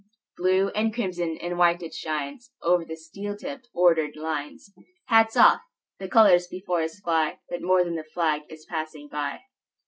Blue and crimson and white it shines, Over the steel tipped, ordered lines. Hats off! The colors before us fly; But more than the flag is passing by.